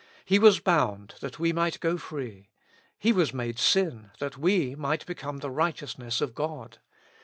He was bound that we might go free. He was made sin that we might become the righteousness of God.